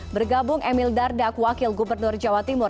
bergabung emil dardak wakil gubernur jawa timur